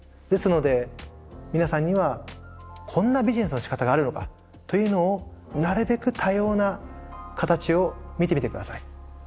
ですので皆さんにはこんなビジネスのしかたがあるのかというのをなるべく多様な形を見てみて下さい。